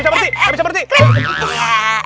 nggak bisa berhenti